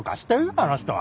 あの人は。